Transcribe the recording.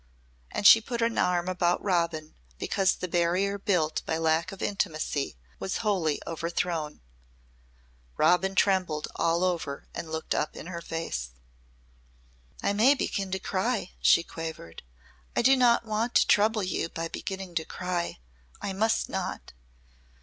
and she put an arm about Robin because the barrier built by lack of intimacy was wholly overthrown. Robin trembled all over and looked up in her face. "I may begin to cry," she quavered. "I do not want to trouble you by beginning to cry. I must not."